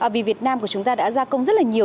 vì việt nam của chúng ta đã gia công rất là nhiều